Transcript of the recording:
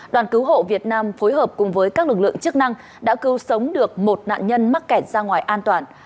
đoàn cứu hộ việt nam phối hợp cùng với các lực lượng chức năng đã cứu sống được một nạn nhân mắc kẹt ra ngoài an toàn